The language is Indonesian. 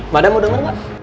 madem mau denger gak